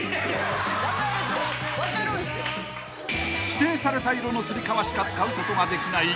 ［指定された色のつり革しか使うことができない